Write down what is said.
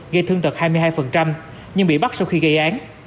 gây thương tật hai mươi hai nhưng bị bắt sau khi gây án